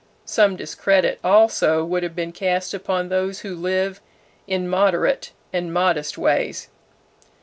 Some discredit also would have been cast upon those who live in moderate and modest ways.